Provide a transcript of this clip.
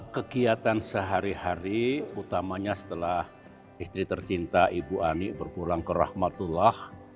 kegiatan sehari hari utamanya setelah istri tercinta ibu ani berpulang ke rahmatullah